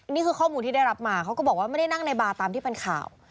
นี่คือข้อมูลที่ได้รับมาเขาก็บอกว่าไม่ได้นั่งในบาร์ตามที่เป็นข่าว